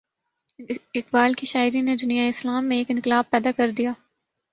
اقبال کی شاعری نے دنیائے اسلام میں ایک انقلاب پیدا کر دیا۔